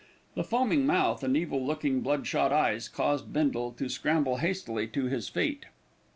The foaming mouth and evil looking blood shot eyes caused Bindle to scramble hastily to his feet.